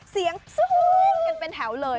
เสียงสุฮุเป็นแถวเลย